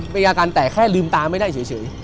มีอาการแตกแค่ลืมตาไม่ได้เฉย